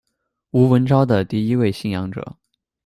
吴文昭的第一位信仰者。